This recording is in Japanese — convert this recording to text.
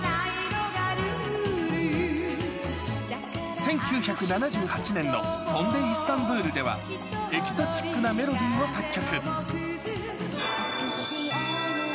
１９７８年の飛んでイスタンブールでは、エキゾチックなメロディーを作曲。